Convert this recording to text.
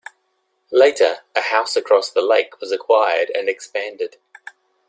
Later, a house across the lake was acquired and expanded.